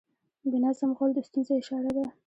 بې نظم غول د ستونزې اشاره ده.